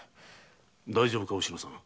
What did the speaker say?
大丈夫かおしのさん？